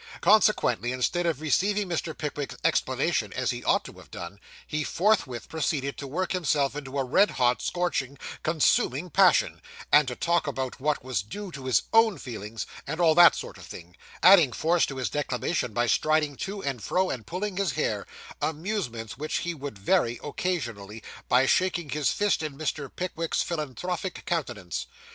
Consequently, instead of receiving Mr. Pickwick's explanation as he ought to have done, he forthwith proceeded to work himself into a red hot, scorching, consuming passion, and to talk about what was due to his own feelings, and all that sort of thing; adding force to his declamation by striding to and fro, and pulling his hair amusements which he would vary occasionally, by shaking his fist in Mr. Pickwick's philanthropic countenance.